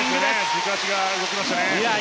軸足が動きましたね。